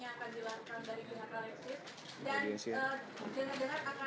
ya itu semuanya